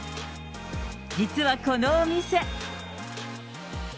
実はこのお店。